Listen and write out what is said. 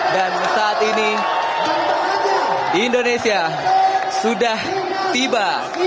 dan saat ini indonesia sudah tiba